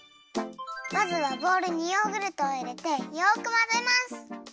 まずはボウルにヨーグルトをいれてよくまぜます。